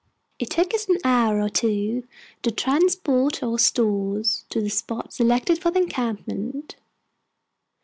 It took us an hour or two to transport our stores to the spot selected for the encampment.